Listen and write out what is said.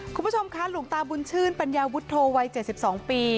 คุณผู้ชมคะหลวงตาบุญชื่นปัญญาวุฒโธวัย๗๒ปี